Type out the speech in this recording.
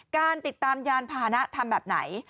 การติดตามยานพาหนะทำแบบไหน